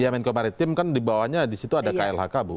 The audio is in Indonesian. ya menko maritim kan di bawahnya di situ ada klhk bu